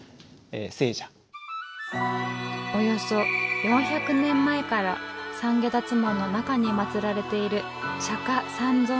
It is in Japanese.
およそ４００年前から三解脱門の中にまつられている釈迦三尊像。